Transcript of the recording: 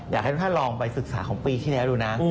อยากให้ทุกท่านลองไปศึกษาของปีที่แล้วดูนะ